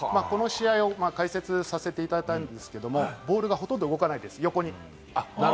この試合、解説させていただいたんですが、ボールがほとんど動かない、横に。